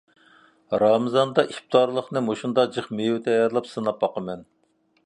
رامىزاندا ئىپتارلىقنى مۇشۇنداق جىق مېۋىدە تەييارلاپ سىناپ باقىمەن.